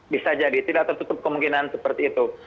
bisa jadi tidak tertutup kemungkinan seperti itu